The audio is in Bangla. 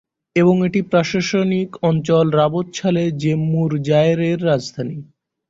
এবং এটি প্রশাসনিক অঞ্চল রাবাত-শালে-যেমমুর-যায়েররের রাজধানী।